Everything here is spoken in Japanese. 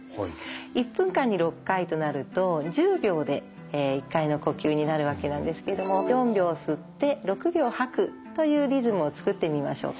１分間に６回となると１０秒で１回の呼吸になるわけなんですけども４秒吸って６秒吐くというリズムをつくってみましょうか。